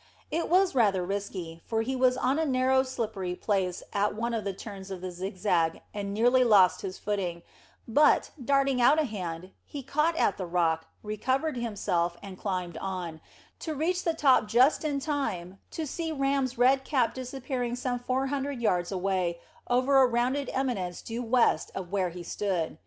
It was rather risky, for he was on a narrow slippery place at one of the turns of the zigzag, and nearly lost his footing, but, darting out a hand, he caught at the rock, recovered himself, and climbed on, to reach the top just in time to see Ram's red cap disappearing some four hundred yards away over a rounded eminence due west of where he stood.